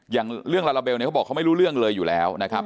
อย่างเรื่องลาลาเบลเนี่ยเขาบอกเขาไม่รู้เรื่องเลยอยู่แล้วนะครับ